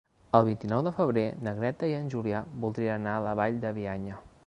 El vint-i-nou de febrer na Greta i en Julià voldrien anar a la Vall de Bianya.